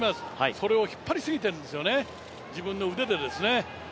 それを引っ張りすぎてるんですね、自分の腕でですね。